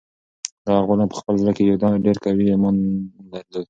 دغه غلام په خپل زړه کې یو ډېر قوي ایمان درلود.